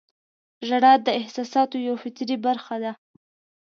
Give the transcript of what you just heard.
• ژړا د احساساتو یوه فطري برخه ده.